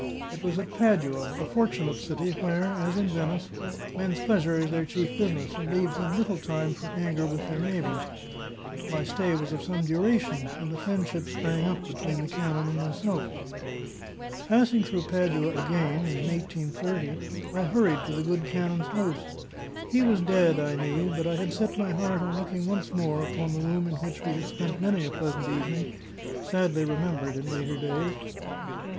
It was at Padua — a fortunate city, where, as in Venice, men's pleasure is their chief business, and leaves them little time for anger with their neighbours. My stay was of some duration, and a friendship sprang up between the canon and myself. Passing through Padua again, in 1830, I hurried to the good canon's house. He was dead, I knew, but I had set my heart on looking once more upon the room in which we had spent many a pleasant evening, sadly remembered in later days.